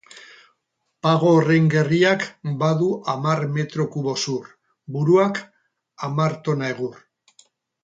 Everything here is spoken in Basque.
Pago horren gerriak badu hamar metro kubo zur, buruak hamar tona egur.